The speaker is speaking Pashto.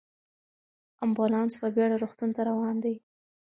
امبولانس په بیړه روغتون ته روان دی.